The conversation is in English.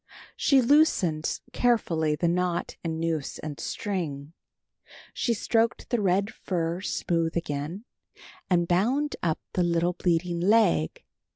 She loosened carefully the knot and noose and string. She stroked the red fur smooth again, and bound up the little bleeding leg.